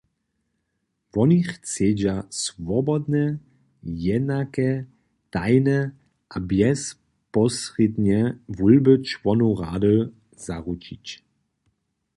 Woni chcedźa swobodne, jenake, tajne a bjezposrědnje wólby čłonow rady zaručić.